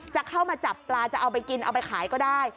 จะเข้ามาจับปลาจะเอาไปกินเอาไปขายก็ได้